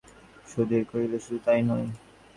সুধীর কহিল, শুধু তাই নয়।